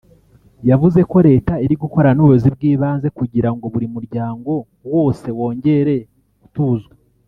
yavuze ko leta iri gukorana n'ubuyobozi bw'ibanze kugira ngo "buri muryango wose wongere gutuzwa"